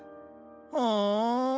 ふん。